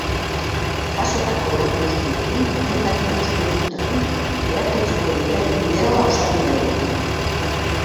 Jasotako lan guztiekin, hainbat ikuspuntutatik erakutsiko duten bideoa osatu nahi dute.